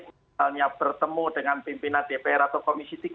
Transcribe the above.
misalnya bertemu dengan pimpinan dpr atau komisi tiga